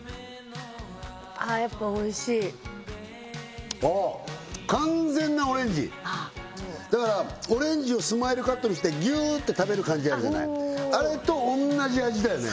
あやっぱおいしいああ完全なオレンジだからオレンジをスマイルカットにしてぎゅーって食べる感じあるじゃないあれと同じ味だよね